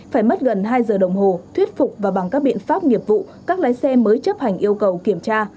phải mất gần hai giờ đồng hồ thuyết phục và bằng các biện pháp nghiệp vụ các lái xe mới chấp hành yêu cầu kiểm tra